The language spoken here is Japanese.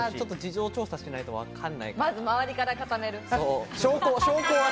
事情を調査しないと分からな